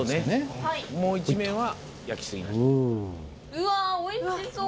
うわおいしそう！